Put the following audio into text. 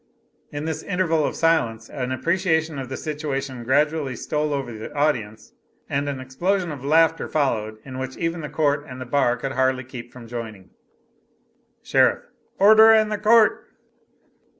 In this interval of silence, an appreciation of the situation gradually stole over the audience, and an explosion of laughter followed, in which even the Court and the bar could hardly keep from joining. Sheriff. "Order in the Court."